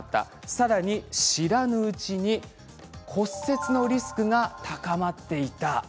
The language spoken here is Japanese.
さらに、知らないうちに骨折のリスクが高まっていた。